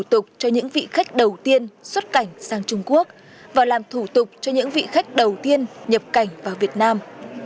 thủ tục cho những vị khách đầu tiên xuất cảnh sang trung quốc và làm thủ tục cho những vị khách đầu tiên nhập cảnh vào việt nam